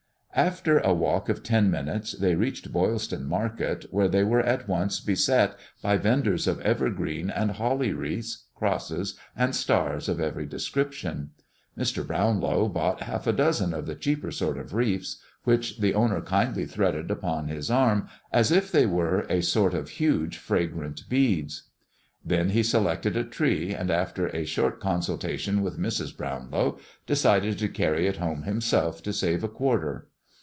After a walk of ten minutes, they reached Boylston Market, where they were at once beset by venders of evergreen and holly wreaths, crosses and stars of every description. Mr. Brownlow bought half a dozen of the cheaper sort of wreaths, which the owner kindly threaded upon his arm, as if they were a sort of huge, fragrant beads. Then he selected a tree, and, after a short consultation with Mrs. Brownlow, decided to carry it home himself, to save a quarter.